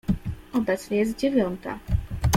"Obecnie jest dziewiąta."